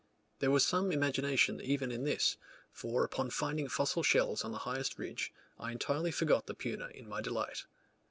There was some imagination even in this; for upon finding fossil shells on the highest ridge, I entirely forgot the puna in my delight.